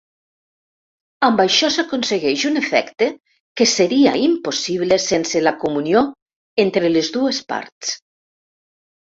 Amb això s'aconsegueix un efecte que seria impossible sense la comunió entre les dues parts.